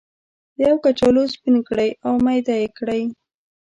یو کچالو سپین کړئ او میده یې کړئ.